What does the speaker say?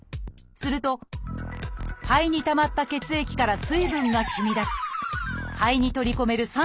すると肺に溜まった血液から水分がしみ出し肺に取り込める